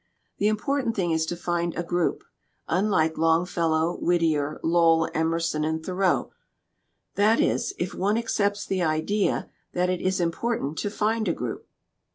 "The important thing is to find a group unlike Longfellow, Whittier, Lowell, Emerson, and Tho reau. That is, if one accepts the idea that it is important to find a group."